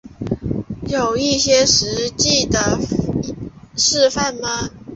有一些实际的示范吗